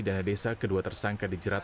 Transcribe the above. dana desa kedua tersangka dijerat